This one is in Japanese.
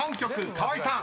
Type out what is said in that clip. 河合さん］